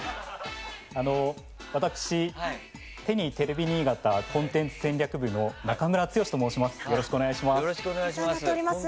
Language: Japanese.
私、ＴｅＮＹテレビ新潟コンテンツ戦略部の中村剛と申します。